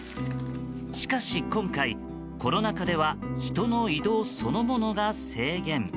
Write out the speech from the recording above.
しかし今回、コロナ禍では人の移動そのものが制限。